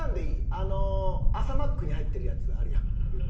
あの朝マックに入ってるやつあるやん？